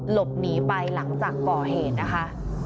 หลบหนีไปหลังจากก่อเหตุนะคะ